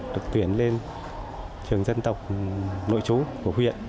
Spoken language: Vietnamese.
được tuyển lên trường dân tộc nội chú của huyện